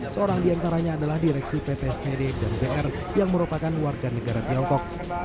seorang diantaranya adalah direksi pt pd dan br yang merupakan warga negara tiongkok